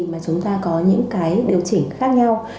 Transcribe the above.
mà chúng ta có những cái điều chỉnh khác nhau